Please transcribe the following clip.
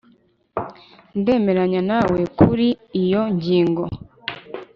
Ndemeranya nawe kuri iyo ngingo